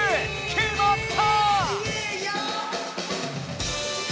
きまった！